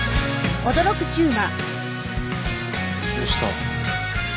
どうした？